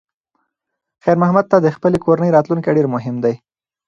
خیر محمد ته د خپلې کورنۍ راتلونکی ډېر مهم دی.